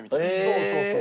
そうそうそう。